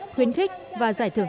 khuyến khích và giải thưởng